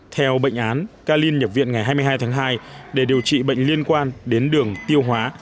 theo bệnh án ca linh nhập viện ngày hai mươi hai tháng hai để điều trị bệnh liên quan đến đường tiêu hóa